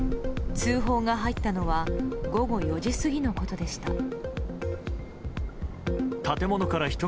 通報が入ったのは午後４時過ぎのことでした。